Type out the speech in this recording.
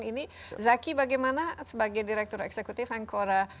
ini zaky bagaimana sebagai direktur eksekutif ancora